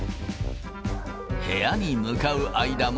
部屋に向かう間も。